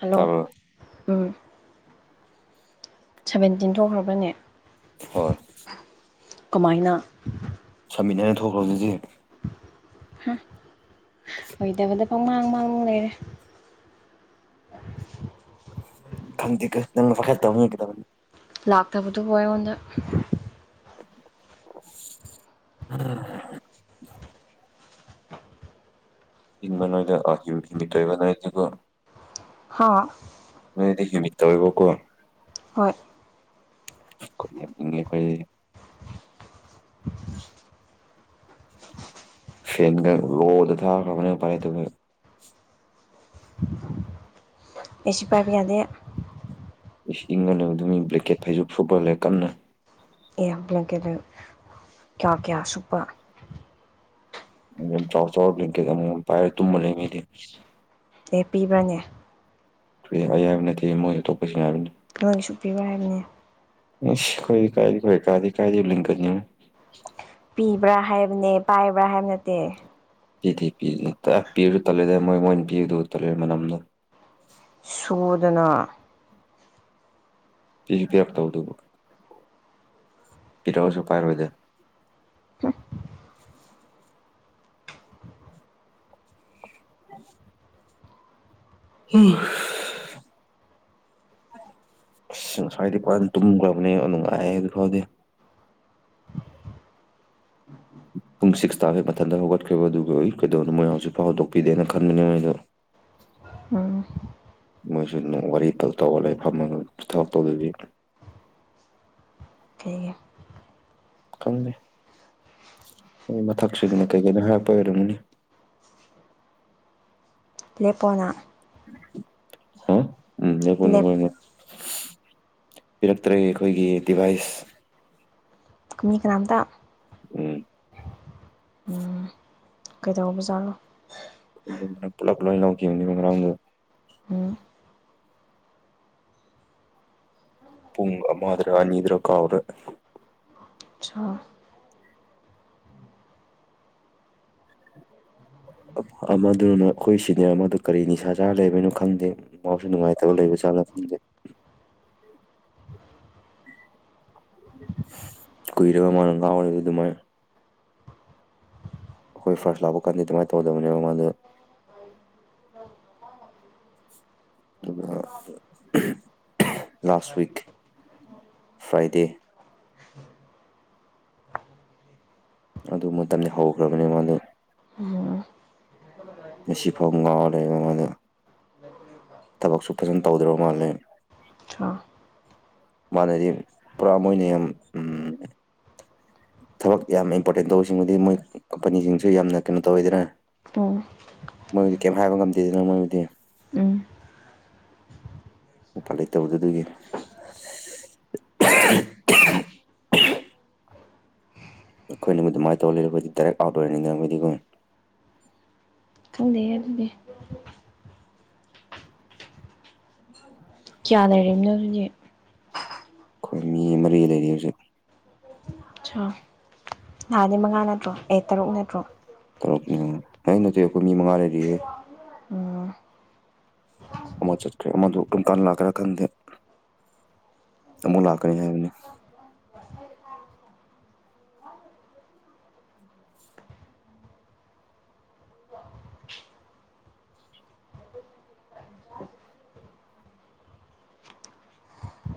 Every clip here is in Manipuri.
ꯍꯜꯂꯣ ꯇꯥꯕ꯭ꯔꯣ ꯎꯝ ꯁꯚꯦꯟꯇꯤꯟ ꯊꯣꯛꯈ꯭ꯔꯕꯅꯦ ꯍꯣꯏ ꯀꯃꯥꯏꯅ ꯁꯃꯤꯠ ꯍꯥꯏꯅ ꯊꯣꯛꯈ꯭ꯔꯕꯗꯨꯗꯤ ꯑꯣꯏꯗꯕꯗ ꯃꯣꯡꯃꯥꯡ ꯃꯥꯡ ꯂꯩꯔꯦ ꯈꯪ ꯐꯦ ꯇꯗ ꯂꯥꯛꯇꯕꯗꯨꯕꯨ ꯑꯩꯉꯣꯟꯗ ꯑꯝ ꯏꯤꯟ ꯃ ꯅꯗ ꯑꯀꯤ ꯃꯤꯇꯣꯏꯕꯅꯥꯏ ꯊꯀꯣ ꯍꯥ ꯃꯤꯠꯇꯋꯕꯣ ꯀꯣ ꯍꯣꯏ ꯑꯩꯈꯉ ꯑꯩꯈꯣꯏ ꯐꯦꯟꯒ ꯔꯣꯗ ꯊ ꯀ ꯄꯔꯦ ꯇ ꯑꯦꯁꯤ ꯄꯥꯏꯕꯤ ꯌꯥꯗꯦ ꯏꯪꯉꯅꯦ ꯑꯗꯨ ꯃꯤ ꯕ꯭ꯂꯦꯛꯀꯦꯠ ꯐꯩꯁꯨ ꯐꯨꯕꯜꯂꯦ ꯀꯟꯅ ꯑꯦꯕ꯭ꯂ ꯀꯗ ꯀꯌꯥ ꯀꯌꯥ ꯁꯨꯄ ꯌꯥꯝ ꯆꯥꯎ ꯆꯥꯎꯔꯀꯦꯗ ꯑꯃꯨꯛ ꯄꯥꯏꯔ ꯇꯨꯝꯕ ꯂꯩꯉꯩꯗꯤ ꯑꯦ ꯄꯤꯕ꯭ꯔꯅꯦ ꯑꯌꯥꯝ ꯅꯣꯏ ꯀꯩ ꯈꯉꯪꯒꯤ ꯁꯛꯄꯤꯕ ꯍꯥꯏꯕꯅꯦ ꯀꯥꯏ ꯐꯦ ꯀꯥꯏꯗꯤ ꯀꯥꯏꯗꯤ ꯂꯀꯅꯤ ꯏꯕ꯭ꯔꯥ ꯍꯥꯏꯕꯅꯦ ꯄꯥꯏꯕ꯭ꯔꯥ ꯍꯥꯏꯕ ꯅꯠꯇꯦ ꯄꯤꯗꯤ ꯄꯤ ꯄꯤꯔꯁꯨ ꯇꯜꯂꯦꯔꯦ ꯃꯣꯏ ꯃꯣꯏꯅ ꯄꯤꯨꯗꯨ ꯇꯜꯂꯦꯔꯦ ꯃꯅꯝꯅ ꯁꯨꯗꯅ ꯁꯤꯖꯤ ꯀꯌꯥꯥꯛ ꯇꯕꯗ ꯏꯔ ꯋꯥꯁꯨ ꯀꯥꯏꯔ ꯑꯣꯏꯣꯏꯗ ꯎ ꯎꯝ ꯑꯁ ꯉꯁꯋꯥꯗꯤ ꯄꯔ ꯇꯨꯝꯈ꯭ꯔꯕꯅꯦ ꯅꯨꯡꯉꯥꯏ ꯑꯗꯨ ꯈꯥꯎꯗꯗꯤ ꯎꯝ ꯄꯨꯡ ꯁꯤꯛꯁ ꯇꯥꯕꯒꯤꯩ ꯃꯊꯟꯇ ꯍꯧꯒꯠꯈꯤꯕ ꯑꯗꯨꯒꯤ ꯑꯣꯏꯏ ꯀꯩꯗꯧꯅꯣ ꯃꯣꯏ ꯍꯧꯖꯤꯁꯨ ꯐꯥꯎꯗꯣꯛꯄꯤꯗꯦꯅ ꯈꯟꯕꯅꯦ ꯃꯣꯏꯗꯣ ꯎꯝ [unintelligible] ꯃꯣꯏꯁꯨ ꯋꯥꯔꯤ ꯄꯜ ꯇꯧꯔ ꯂꯩꯐꯝ ꯑꯃ ꯄ ꯊꯕ ꯇꯧꯗꯔꯤ ꯊꯦꯡꯒ ꯀꯪꯃꯦ ꯃꯊꯛꯁꯤꯨꯅ ꯀꯩꯒꯤꯅꯣ ꯍꯥꯏꯔꯛꯄ ꯑꯣꯏꯔꯝꯒꯅꯤ ꯂꯦꯞꯄꯣꯅ ꯑ ꯎꯝ ꯌꯦꯣ ꯂꯦꯞ ꯅꯣꯏꯅ ꯄꯤꯔꯛꯇ꯭ꯔꯦ ꯑꯩꯈꯣꯏꯒꯤ ꯗꯤꯚꯥꯏꯁ ꯃꯤ ꯀꯅꯥꯝꯗ ꯎꯝ ꯎꯝ ꯀꯩꯗꯧꯕꯖꯥꯠꯂꯣ ꯄꯨꯂ ꯄꯨꯂꯦꯉꯅꯤ ꯉ꯭ꯔꯥꯡ ꯎꯝ ꯄꯨꯡ ꯃꯥꯗ꯭ꯔꯣ ꯑꯅꯤꯗ꯭ꯔꯣ ꯀꯥꯎꯔꯦ ꯁꯣ ꯎ ꯑꯃꯗꯨꯅ ꯑꯩꯈꯣꯏ ꯁꯤꯅꯦ ꯃꯗꯨ ꯀꯔꯤ ꯅꯤꯁꯥ ꯆꯥꯔ ꯂꯩꯕꯅꯣ ꯈꯪꯗꯦ ꯃꯥꯁꯨ ꯅꯨꯡꯉꯥꯏꯇꯕ ꯂꯩꯕꯖꯥꯅꯣ ꯈꯪꯗꯦ ꯎ [unintelligible] [inaudible] ꯀꯣꯏꯔꯕ ꯃꯥꯅ ꯀ ꯑꯣꯏꯦ ꯑꯗꯨ ꯑꯗꯨ ꯃꯥ ꯑꯩꯈꯣꯏ ꯐꯁꯂꯕꯨ ꯀꯅꯤ ꯑꯗꯨꯃꯥꯏꯅ ꯇꯧꯗꯕꯅꯦ ꯃꯥꯗ ꯑ [unintelligible] [inaudible] ꯂꯥꯁ ꯋꯤꯛ ꯐ꯭ꯔꯥꯏꯗꯦ ꯑꯗꯨ ꯃꯇꯝꯗꯤ ꯍꯧꯈ꯭ꯔꯕꯅꯦ ꯃꯥꯗꯣ ꯎꯝ ꯃꯁꯤꯁꯤꯐꯥꯎ ꯉꯥꯎ ꯂꯩꯕ ꯃꯗ ꯊꯕꯛꯁꯨ ꯐꯖꯅ ꯇꯧꯗ꯭ꯔꯕ ꯃꯥꯜꯂꯦ ꯁꯣ ꯃꯅꯗꯤ ꯄꯔꯃꯅꯤꯝ ꯎꯝ ꯊꯕꯛ ꯌꯥꯝ ꯏꯝꯄꯣꯔꯇꯦꯟ ꯇꯧꯕꯁꯤꯡꯕꯨꯗꯤ ꯃꯣꯏ ꯀꯝꯄꯅꯤꯁꯤꯡꯁꯨ ꯌꯥꯝꯅ ꯀꯩꯅꯣ ꯇꯧꯋꯤꯗꯅ ꯑꯣꯝ ꯗꯤ ꯀꯩꯝ ꯍꯥꯏꯕ ꯉꯝꯗꯦꯗꯅꯣ ꯃꯣꯏꯕꯨꯗꯤ ꯎꯝ ꯎꯄꯥꯜ ꯂꯩꯇꯕꯗꯨ ꯑꯗꯨꯒꯤ [unintelligible] [inaudible] ꯑꯩꯈꯣꯏꯅꯕꯨ ꯑꯗꯨꯃꯥꯏꯅ ꯇꯧꯔ ꯂꯩꯗꯤ ꯗꯥꯏꯔꯦꯛ ꯑꯥꯎꯠ ꯑꯣꯏꯔꯅꯤꯡꯗꯕꯗꯤ ꯍ ꯂꯩ ꯑꯗꯨꯗꯤ ꯀꯌꯥ ꯂꯩꯅꯣ ꯍꯧꯖꯤꯖꯤꯛ ꯑꯩꯈꯣꯏ ꯃꯤ ꯃꯔꯤ ꯂꯩꯔꯤ ꯍꯧꯖꯤꯛ ꯅꯍꯥꯟꯅꯤ ꯃꯉꯥ ꯅꯠꯇ꯭ꯔꯣ ꯑꯦ ꯇꯔꯨꯛ ꯅꯠꯇ꯭ꯔꯣ ꯇꯔꯛꯅꯦ ꯑꯩꯅꯠꯇ ꯑꯩꯈꯣꯏ ꯃꯤ ꯃꯉꯥ ꯂꯩꯔꯤꯌꯦꯦ ꯎꯝ ꯑꯃ ꯆꯠꯈ꯭ꯔꯦ ꯑꯃꯗꯨ ꯑꯗꯨꯝ ꯀꯥꯟ ꯂꯥꯛꯀ꯭ꯔꯦꯥ ꯈꯟꯗꯦ ꯑꯃꯨꯛ ꯂꯥꯛꯀꯅꯤ ꯍꯥꯏꯕꯅꯤ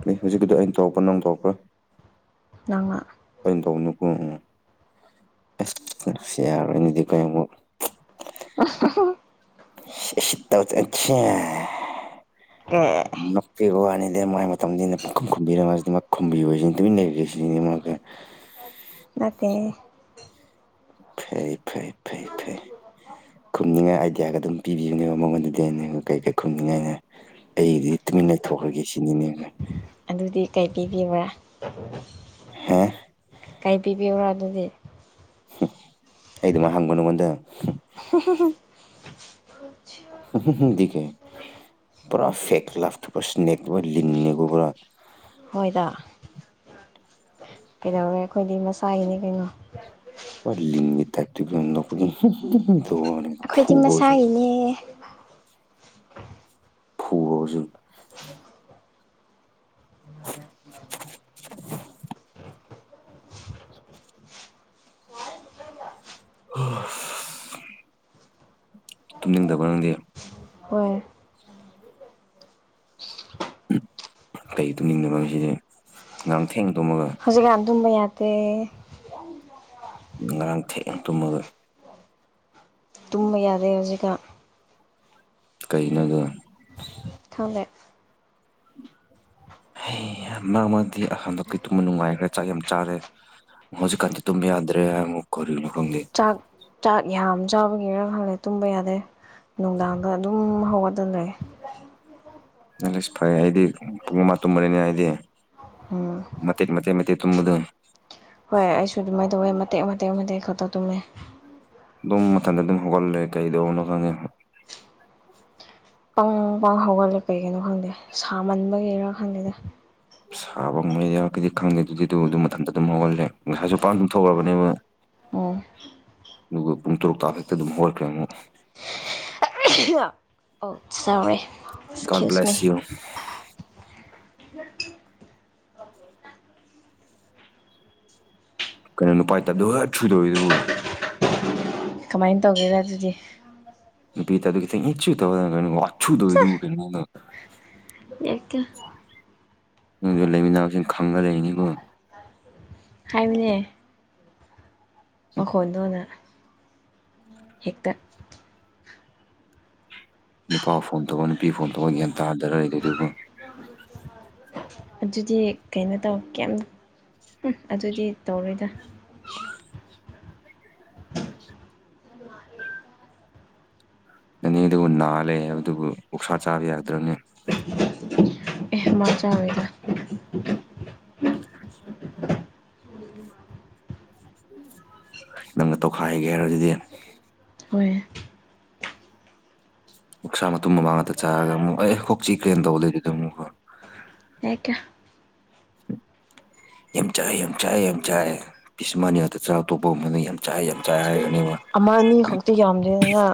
ꯂꯩ ꯍꯧꯖꯤꯛꯀꯤꯗꯣ ꯑꯩꯅ ꯇꯧꯔꯛꯄ ꯅꯪ ꯇꯧꯔꯛꯄ ꯑꯪꯉ ꯀꯩꯅ ꯇꯧꯕꯅꯤ ꯀꯣꯍ ꯁꯤꯔꯗꯤ ꯀꯝꯕꯣ ꯁꯤꯠꯇ ꯑꯦ ꯑ [unintelligible] [inaudible] ꯄꯦꯛꯕ ꯋꯥꯅꯤꯗ ꯃꯥꯏ ꯃꯇꯝꯁꯤꯅ ꯈꯨꯝꯝꯕꯤꯔꯝꯁꯤ ꯃꯥ ꯈꯨꯝꯕꯤꯕꯁꯤꯅ ꯇꯨꯃꯤꯟꯅ ꯂꯩꯒꯦ ꯁꯤꯅꯤ ꯃꯥ [unintelligible] [inaudible] ꯅꯀꯦ ꯐꯩ ꯐꯩ ꯐꯩ ꯐꯩ ꯈꯨꯝꯅꯤꯡꯉꯥꯏ ꯑꯥꯏꯗꯤꯌꯥꯒ ꯑꯗꯨꯝ ꯄꯤꯕꯤꯌꯨꯅꯦꯕ ꯃꯉꯣꯟꯗꯗꯤ ꯀꯩꯀꯩ ꯈꯨꯝꯅꯤꯡꯉꯥꯏꯅ ꯑꯩꯗꯤ ꯇꯨꯃꯤꯟꯅ ꯂꯩꯊꯣꯛꯈ꯭ꯔꯒꯦ ꯁꯤꯅꯤꯅꯦꯉ ꯑꯗꯨꯗꯤ ꯀꯩ ꯄꯕꯤꯕ꯭ꯔꯥ ꯍꯥ [unintelligible] [inaudible] ꯀꯩ ꯄꯤꯕꯤꯕꯔꯣ ꯑꯗꯨꯗꯤ ꯑꯩꯗꯨꯃ ꯍꯪꯕ ꯅꯉꯣꯟꯗ ꯍ [unintelligible] [inaudible] ꯦ ꯄꯨꯔꯥ ꯐꯦꯛꯀ ꯂꯐꯇꯨ ꯄꯨ ꯁꯅꯦꯀ ꯂꯤꯡꯅꯤꯒ ꯄꯨ ꯀꯩꯗꯧꯋꯦ ꯑꯩꯈꯣꯏꯗꯤ ꯃꯁꯥꯒꯤꯅꯤ ꯀꯩꯅꯣ ꯂꯤꯒꯤꯤ ꯊꯇ ꯄꯨ ꯅ ꯑꯩꯈꯣꯏꯗꯤ ꯃꯁꯥꯒꯤꯅꯦ ꯐꯨ ꯍꯧꯁꯟ [unintelligible] [inaudible] ꯑꯣ ꯇꯨꯝꯅꯤꯡꯗꯕ ꯅꯪꯗꯦ ꯍꯣꯏ ꯀꯩ ꯇꯃꯤꯗꯁꯤꯗꯤꯦ ꯉꯝ ꯊ ꯍꯧꯖꯤꯛ ꯀ ꯑꯗꯨꯕꯩ ꯌꯥꯗꯦ ꯉꯔꯥꯡ ꯊꯦ ꯇꯃ ꯑꯗꯨ ꯇꯨꯝꯕ ꯌꯥꯗꯦ ꯍꯧꯖꯤꯛꯀ ꯀꯩꯅꯣꯗ ꯑꯃꯦꯛ ꯍꯩ ꯍꯥ ꯃꯥ ꯃꯥꯗꯤ ꯑꯍꯥꯟꯕꯗ ꯀꯔꯤꯇꯨꯝꯕ ꯅꯨꯡꯉꯥꯏꯒꯔꯦ ꯆꯥꯛ ꯌꯥꯝ ꯆꯥꯔꯦ ꯍꯧꯖꯤꯛ ꯀꯥꯟꯇꯤ ꯇꯨꯝꯕ ꯌꯥꯗ꯭ꯔꯦ ꯑꯃꯨꯛ ꯀꯔꯤꯅꯣ ꯈꯪꯗꯦ ꯆꯥꯛ ꯆꯥꯛ ꯌꯥꯝ ꯆꯥꯕꯒꯤꯔ ꯈꯪꯂꯦ ꯇꯨꯝꯕ ꯌꯥꯗꯦ ꯅꯨꯡꯗꯥꯡꯗ ꯑꯗꯨꯝ ꯍꯧꯒꯗ ꯂꯩ ꯅꯪ ꯑꯁ ꯐꯩꯌꯦ ꯑꯩꯗꯤ ꯄꯨꯡ ꯃꯥ ꯇꯨꯝꯕꯔꯤꯅꯦ ꯑꯩꯗꯤ ꯎꯝ ꯃꯇꯦꯛ ꯃꯇꯦꯛ ꯃꯇꯦꯛ ꯇꯨꯝꯃꯗꯨ ꯍꯣꯏ ꯑꯩꯁꯨ ꯑꯗꯨꯝꯃꯥꯏ ꯇꯧꯋꯩ ꯃꯇꯦꯛ ꯃꯇꯦꯛ ꯃꯇꯦꯛ ꯈꯛꯇ ꯇꯝꯃꯦ ꯑꯗꯨꯝ ꯃꯊꯟꯗ ꯑꯗꯨꯝ ꯍꯧꯒ ꯂꯩ ꯀꯩꯗꯧꯕꯅꯣ ꯈꯪꯗꯦ ꯄꯪ ꯄꯪ ꯍꯧꯒꯜꯂꯦ ꯀꯩꯒꯤꯅꯣ ꯈꯪꯗꯦ ꯁꯥꯃꯟꯕꯒꯤꯔꯥ ꯈꯪꯗꯦꯗ ꯁꯥꯕ ꯉꯩꯗ ꯀꯩꯗꯤ ꯈꯪꯗꯦ ꯑꯗꯨꯗꯤ ꯑꯗꯨ ꯑꯗꯨꯝ ꯃꯊꯟꯇ ꯑꯗꯨꯝ ꯍꯧꯍꯜꯂꯦ ꯉꯁꯥꯏꯁꯨꯄꯥ ꯑꯗꯨꯝ ꯊꯣꯛꯈꯔꯕꯅꯦꯕ ꯑꯣ ꯑꯗꯨꯒ ꯄꯨꯡ ꯇꯔꯨꯛ ꯇꯥ ꯍꯦꯛꯇ ꯑꯗꯨꯝ ꯍꯧꯔꯛꯈ꯭ꯔꯦ ꯃꯨꯛ ꯑꯣ ꯁꯧꯔꯦ God excuse me bless [inaudible] U ꯀꯩꯅꯣ ꯅꯨꯄꯥꯥꯏ ꯍꯣꯏꯊꯨ ꯇꯧꯏꯗꯨꯕꯨ ꯀꯃꯥꯏꯅ ꯇꯧꯒꯦꯔ ꯑꯗꯨꯗꯤ ꯅꯨꯄꯤ ꯇꯗꯨꯒꯤ ꯊꯤꯡ ꯏꯠꯁꯨ ꯇꯧꯒꯗ ꯀꯩꯅ ꯑꯣ ꯍꯥꯏꯊꯨ ꯇꯧꯏꯗꯨꯕꯨ ꯀꯩꯅꯣꯅ ꯍꯦꯛꯇ ꯅꯗꯨ ꯂꯩꯃꯤꯟꯅꯕꯁꯤꯡ ꯈꯪꯉ ꯂꯩꯅꯤꯀꯣ ꯍꯥꯏꯝꯅꯦ ꯃꯈꯣꯟꯗꯣꯅ ꯍꯦꯛꯇ ꯅꯨꯄꯥ ꯐꯣꯟ ꯇꯧꯕ ꯅꯨꯄꯤ ꯐꯣꯟ ꯇꯧꯕ ꯒ꯭ꯌꯥꯟ ꯇꯥꯗꯔ ꯑꯩ ꯒꯤ ꯗꯨ ꯕꯨ ꯑꯗꯨꯗꯤ ꯀꯩꯅꯣ ꯇꯧ ꯀꯦꯝ ꯎꯝ ꯑꯗꯨꯗꯤ ꯇꯧꯔꯣꯏꯗ ꯑꯅꯤꯗꯨꯕꯨ ꯅꯥꯜꯂꯦ ꯍꯥꯏꯕꯗꯨꯕꯨ ꯑꯣꯛꯁꯥ ꯆꯥꯕ ꯌꯥꯗ꯭ꯔꯕꯅꯦ ꯑꯦ ꯃꯥ ꯆꯔꯣꯏꯗ ꯅꯪꯅ ꯇꯧꯈꯥꯏꯒꯦ ꯍꯥꯏꯔ ꯑꯗꯨꯗꯤ ꯍꯣꯏ ꯑꯣꯛꯁꯥ ꯃꯇꯨꯝ ꯃꯃꯥꯡ ꯉꯥꯛꯇ ꯆꯥꯔꯒ ꯑꯃꯨꯛ ꯑꯦ ꯀꯣꯛꯆꯤ ꯀ꯭ꯔꯅ ꯇꯧꯕ ꯂꯩꯗꯨꯗꯤ ꯑꯃꯨꯛ ꯍꯦ ꯀꯌ꯭ꯥ [inaudible] ꯌꯥꯝ ꯆꯥꯏ ꯌꯥꯝ ꯆꯥꯏ ꯌꯥꯝ ꯆꯥꯏ ꯄꯤꯁ ꯃꯥꯅꯤ ꯑꯇ ꯆꯥ ꯑꯇꯣꯞꯄ ꯑꯃꯅ ꯌꯥꯝ ꯆꯥꯏ ꯌꯥꯝ ꯆꯥꯏ ꯍꯥꯏꯔ ꯑꯃ ꯑꯅꯤ ꯈꯛꯇꯤ ꯌꯥꯝꯗꯦꯗꯅ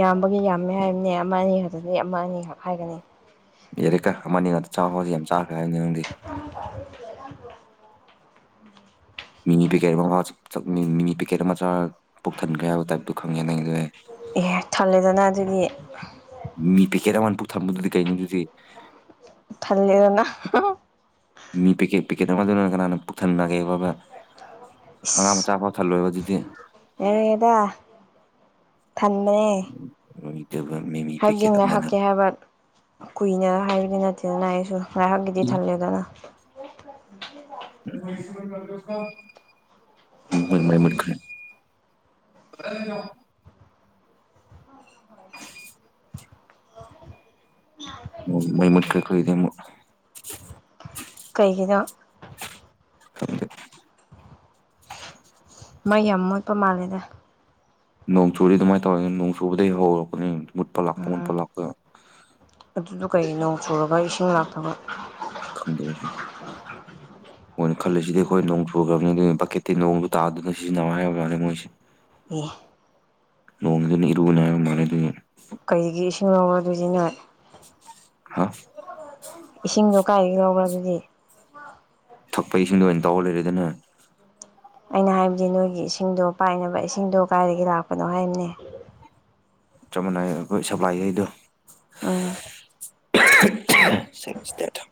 ꯌꯥꯝꯕꯒꯤ ꯌꯥꯝꯃꯦ ꯍꯥꯏꯝꯅꯦ ꯑꯃ ꯑꯅꯤ ꯈꯛꯇꯗꯤ ꯑꯃ ꯑꯅꯤꯈꯛ ꯍꯥꯏꯒꯅꯤ ꯌꯥꯔꯤꯀ ꯑꯃꯅꯤꯉꯗ ꯆꯥꯛ ꯍꯥꯎꯁꯤ ꯌꯥꯝ ꯆꯥꯈ꯭ꯔꯦ ꯍꯥꯏꯕꯅꯤ ꯅꯪꯗꯤ ꯃꯤꯅꯤ ꯄꯦꯀꯦꯠ ꯑꯃ ꯆꯛ ꯃꯤꯅꯤ ꯄꯦꯀꯦꯠ ꯑꯃ ꯆꯥꯔ ꯄꯨꯛ ꯊꯟꯈ꯭ꯔꯦ ꯍꯥꯏꯕ ꯇꯥꯏꯞꯇꯣ ꯈꯪꯉꯦ ꯅꯪꯉꯤꯗꯤ ꯑꯦ ꯊꯜꯂꯦꯗꯅ ꯑꯗꯨꯗꯤ ꯃꯤ ꯄꯤꯀꯦꯠ ꯑꯃꯟꯅ ꯄꯨꯛ ꯊꯝꯕꯗꯨꯗꯤ ꯀꯩꯅꯣ ꯑꯗꯨꯗꯤ ꯊꯂꯦꯗꯅ ꯃꯤ ꯄꯦꯛꯀꯦꯠ ꯄꯦꯀꯦꯠ ꯑꯃ ꯗꯨꯅ ꯀꯅꯥꯅ ꯄꯨꯛꯊꯟꯅꯒꯦ ꯕꯕ ꯑꯉꯥꯡ ꯏꯁ ꯃꯆꯥ ꯄꯥꯎ ꯊꯜꯂꯣꯏꯕ ꯑꯗꯨꯗꯤ ꯌꯥꯔꯦꯗ ꯊꯟꯕꯅꯦ ꯂꯣꯏꯗꯕ ꯃꯤꯃꯤ ꯍꯥꯏꯝꯗꯤ ꯄꯦꯀꯦꯠ ꯑꯃꯅ ꯉꯥꯏꯍꯛꯀꯤ ꯍꯥꯏꯕ ꯀꯨꯏꯅ ꯍꯥꯏꯕꯗꯤ ꯅꯠꯇꯦꯗꯅ ꯑꯩ ꯁ ꯉꯥꯏꯍꯥꯛꯀꯤꯗꯤ ꯏ ꯊꯜꯂꯦ ꯗꯅ ꯎꯝ [unintelligible] ꯕꯨꯠ ꯃꯩ ꯃꯨꯠꯈꯔ꯭ꯦ ꯀꯩꯅꯣ ꯎꯝ ꯃꯩ ꯃꯨꯠꯈꯔꯦ ꯈꯣꯏꯒꯤꯗꯤ ꯃꯨꯛ ꯀꯩꯒꯤꯅꯣ ꯈꯪꯗꯦ ꯃꯩ ꯌꯥꯝ ꯃꯣꯠꯄ ꯃꯥꯜꯂꯦꯗ ꯅꯣꯡ ꯆꯨꯗꯤ ꯑꯗꯨꯃꯥꯏꯅ ꯇꯧꯋꯅꯤ ꯅꯣꯡ ꯆꯨꯕꯗꯒꯤ ꯍꯧꯔꯛꯄꯅꯤ ꯃꯨꯠꯄ ꯂꯥꯛꯄ ꯃꯨꯠꯄ ꯂꯥꯛꯄ ꯑꯗꯨꯗꯨꯒꯩ ꯅꯧ ꯆꯨꯔꯒ ꯏꯁꯤꯡ ꯂꯥꯛꯇꯕ ꯈꯪꯗ ꯃꯣꯏꯅ ꯈꯜꯂꯤꯁꯤꯗꯤ ꯑꯩꯈꯣꯏ ꯅꯣꯡ ꯆꯨꯈ꯭ꯔꯕꯅꯤ ꯑꯗꯨꯅ ꯕꯛꯀꯦꯠꯇꯇꯩ ꯅꯣꯡꯁꯨ ꯇꯥꯗꯅ ꯁꯤꯖꯤꯟꯅꯕ ꯍꯥꯏꯕ ꯃꯥꯅꯤ ꯃꯣꯏꯁꯦ ꯑꯣ ꯂꯣꯡꯉꯗꯅꯤꯔꯨꯕꯅ ꯃꯥꯅꯦ ꯑꯗꯨ ꯀꯔꯤꯒꯤ ꯏꯁꯤꯡ ꯂꯧꯔꯗꯣꯏꯁꯤ ꯅꯣꯏ ꯍꯥ ꯀꯥꯏ ꯌꯥꯎꯔ ꯑꯗꯨꯗꯤ ꯊꯛꯄ ꯏꯁꯤꯡꯗꯣ ꯑꯣꯏꯅ ꯇꯧꯔ ꯂꯩꯔꯦꯗꯅ ꯑꯩꯅ ꯍꯥꯏꯕꯗꯤ ꯅꯣꯏꯒꯤ ꯏꯁꯤꯡꯗꯣ ꯄꯥꯏꯅꯕ ꯏꯁꯤꯡꯗꯣ ꯀꯥꯏꯗꯒꯤ ꯂꯥꯛꯄꯅꯣ ꯍꯥꯏꯕꯅꯦ ꯆꯞ ꯃꯥꯟꯅꯩ ꯑꯩꯈꯣꯏ ꯁꯄ꯭ꯂꯥꯏ ꯑꯩꯗꯣ ꯎꯝ ꯁ ꯊ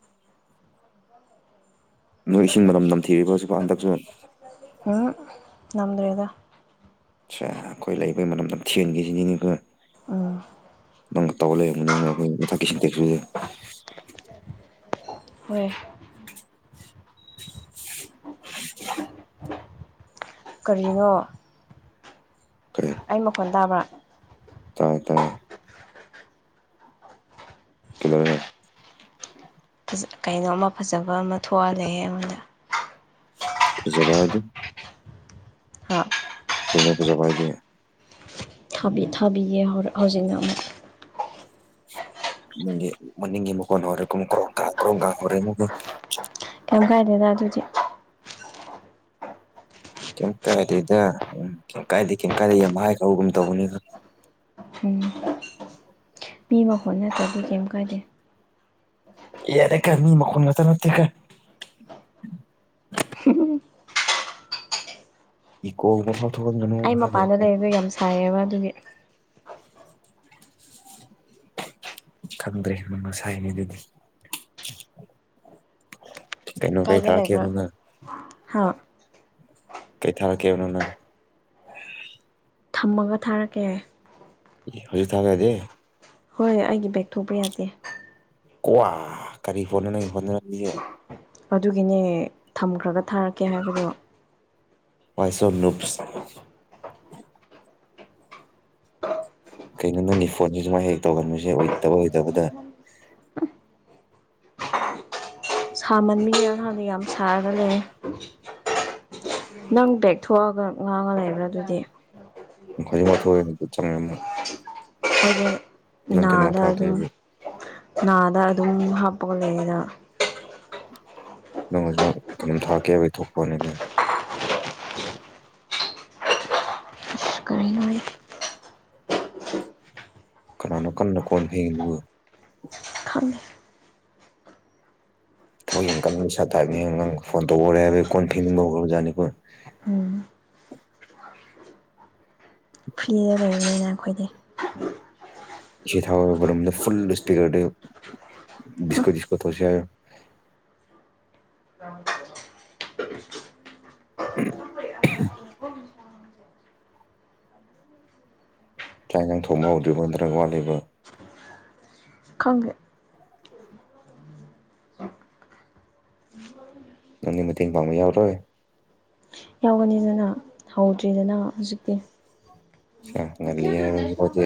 ꯃꯣꯏ ꯏꯁꯤꯡ ꯃꯔꯝ ꯅꯝꯊꯤꯕꯤꯔꯤꯕ ꯍꯧꯖꯤꯛꯀꯣ ꯍꯟꯗꯛꯁꯨ ꯎꯝ ꯅꯗ꯭ꯔꯗ ꯑ ꯑꯩꯈꯣꯏ ꯂꯩꯕꯩ ꯃꯅꯝ ꯅꯝ ꯊꯦꯟꯒꯤꯁꯤꯅꯤ ꯎꯝ ꯅꯪ ꯇꯧ ꯂꯩꯅꯤ ꯑꯩꯈꯣꯏꯊꯀꯤꯁꯤꯡ ꯇꯦꯛꯗ ꯍꯣꯏ [unintelligible] ꯀꯔꯤꯅꯣ ꯑꯩ ꯃꯈꯣꯟ ꯇꯥꯕ꯭ꯔꯥ ꯇꯥꯏꯌꯦ ꯇꯥꯏꯌꯦ ꯀꯂꯔꯦ ꯀꯩꯅꯣꯝꯃ ꯐꯖꯕ ꯑꯃ ꯊꯣꯛꯍꯜꯂꯦ ꯑꯩꯉꯣꯟꯗ ꯀꯁꯨꯄꯥꯏ ꯑꯗꯨ ꯍꯥ ꯊꯩꯅ ꯄꯁꯨ ꯐꯥꯏꯗꯤꯦ ꯊꯥꯕꯤꯌꯦꯦ ꯍꯧꯖꯤꯛꯅ ꯑꯃꯨꯛ ꯅ ꯃꯅꯤꯡꯒꯤ ꯃꯈꯀꯣꯟ ꯍꯔꯦ ꯀꯨꯝꯃꯈ꯭ꯔꯣ ꯀꯥ ꯀ꯭ꯔꯣ ꯀꯥꯈꯣꯔꯦ ꯃꯣꯟ ꯀꯥꯏꯗ ꯑꯗꯨꯗꯤ ꯀꯩ ꯀꯥꯏꯗꯗ ꯎꯝ ꯀꯩ ꯀꯥꯏꯗ ꯀꯩ ꯀꯥꯏꯗ ꯌꯥꯝ ꯍꯥꯏꯈꯕꯒꯨꯝ ꯇꯧꯕꯅꯤꯅ [unintelligible] ꯄꯤ ꯃꯈꯣꯠꯅ ꯆꯕꯤ ꯀꯩꯝ ꯀꯥꯏꯗꯦ ꯌꯥ ꯌꯥꯗ ꯀ ꯃꯤ ꯃꯈꯣꯟ ꯉ ꯆꯠꯇ ꯀ ꯏꯀꯣꯒ꯭ꯔ ꯑꯩ ꯃꯄꯥꯟꯗ ꯂꯩꯔꯗ ꯌꯥꯝ ꯁꯥꯏꯌꯦꯕ ꯑꯗꯨꯒꯤ [unintelligible] ꯈꯪꯗ꯭ꯔꯦ ꯅꯪ ꯉ ꯁꯥꯏꯉꯩꯗꯨꯗꯤ ꯇꯅꯨ ꯀꯩ ꯀꯥꯏꯗ ꯂꯩꯕ꯭ꯔꯥ ꯊꯥꯀꯤꯅꯅꯨꯡ ꯉ ꯍꯥ ꯀꯩ ꯊꯥꯔ ꯀꯦꯅꯅ ꯊꯝꯃꯒ ꯊꯥꯔꯛꯀꯦ ꯍꯧꯖꯤ ꯊꯒꯗꯦ ꯍꯣꯏꯣꯏ ꯑꯩꯒꯤ ꯕꯦꯛ ꯊꯣꯛꯄ ꯌꯥꯗꯦ ꯀꯋꯥ ꯀꯔꯤ ꯍꯣꯣꯟꯅꯅ ꯍꯣꯠꯅꯦ ꯑꯗꯨꯒꯤꯅꯦ ꯊꯝꯈ꯭ꯔꯒ ꯊꯥꯔꯛꯀꯦ ꯍꯥꯏꯕꯗꯣ ꯄꯥꯏꯁꯣꯟ ꯅꯨꯨꯞꯁ ꯀꯩꯅꯣ ꯅꯪꯒꯤ ꯐꯣꯟꯁꯤ ꯁꯨꯃꯥꯏ ꯍꯦꯛ ꯇꯧꯒꯟꯕꯁꯦ ꯑꯣꯏꯇꯕ ꯑꯣꯏꯗꯕꯗ ꯁꯥꯃꯟꯕꯤꯒꯦꯔꯀꯥꯟꯗ ꯌꯥꯝ ꯁꯥꯔꯒ ꯂꯩ ꯅꯪ ꯕꯦꯛ ꯊꯣꯛꯑꯒ ꯉꯥꯡꯉ ꯂꯩꯕ꯭ꯔꯥ ꯑꯗꯨꯗꯤ ꯈꯖꯃꯊ ꯑꯣꯏ ꯆ [unintelligible] ꯑꯣ ꯅꯥꯗ ꯑꯗꯨꯝ ꯍꯥꯏꯕꯒꯤ ꯅꯥꯗ ꯑꯗꯨ ꯑꯗꯨꯝ ꯍꯥꯞꯄꯒ ꯂꯩꯒꯗꯕ ꯅꯪ ꯍꯧꯖꯤꯃꯛ ꯀꯩꯅꯣꯝ ꯊꯥꯔꯛꯀꯦ ꯊꯣꯛꯄꯅꯤꯅꯦ ꯑꯁ ꯀꯔꯤꯅꯣ ꯑꯩ ꯀꯅꯥꯅꯣ ꯀꯟꯅ ꯀꯣꯟ ꯐꯦꯡꯉꯤꯗꯨꯕꯨ ꯈꯪꯗꯦ ꯊꯕꯛ ꯌꯥꯝꯀꯟ ꯑꯃꯨꯀ ꯄꯁꯥ ꯇꯥꯏꯞꯅꯤ ꯅꯪ ꯐꯣꯟ ꯇꯧꯍꯔꯦ ꯍꯥꯏꯕ ꯑꯩ ꯀꯣꯟ ꯐꯤꯅꯤꯡꯕ ꯍꯧꯔ ꯑꯣꯖꯥꯅꯤꯀꯣ ꯎꯝ [unintelligible] ꯐ꯭ꯔꯤꯗ ꯂꯩꯕꯅꯤꯅ ꯑꯩꯈꯣꯏꯗꯤ ꯏꯁꯩ ꯊꯥꯎꯔꯨꯝꯗ ꯐꯨꯜ ꯏꯁꯄꯤꯀꯔꯗꯒꯤ ꯕꯤꯁꯀꯣꯠ ꯁꯀꯣꯠ ꯇꯧꯁꯦ ꯍꯥꯔꯣ [unintelligible] ꯆꯥꯛ ꯏꯟꯖꯥꯡ ꯊꯣꯡꯕ ꯍꯧꯗ꯭ꯔꯤꯕ ꯅꯠꯇ꯭ꯔꯒ ꯋꯥꯠꯂꯤꯕ ꯈꯪꯗꯦ ꯅꯪꯒꯤ ꯃꯇꯦꯡ ꯄꯥꯡꯕ ꯌꯥꯎꯔꯣꯏ ꯌꯥꯎꯒꯅꯤꯗꯅ ꯍꯧꯗ꯭ꯔꯤꯗꯅ ꯍꯧꯖꯤꯛꯇꯤ ꯉꯜꯂꯤꯌꯦ ꯍꯧꯖꯤꯛꯐꯥꯎꯗꯤ